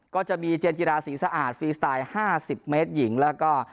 ก็จะมีเจนจิราศรีสะอาดฟรีสไตล์๕๐เมตรหญิงแล้วก็